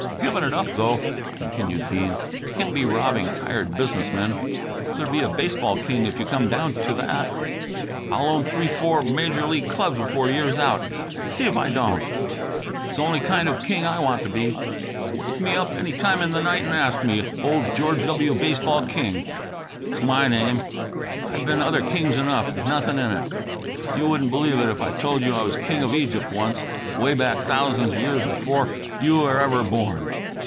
"Given it up, though," continued Bean. "Can't be robbing tired business men. Rather be a baseball king if you come down to that. I'll own three four major league clubs before year's out. See 'f I don't! 'S only kind of king I want to be wake me up any time in the night and ask me old George W. Baseball King. 'S my name. I been other kings enough. Nothing in it. You wouldn't believe it if I told you I was a king of Egypt once, 'way back, thous'n's years before you were ever born.